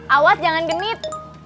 awas jangan genit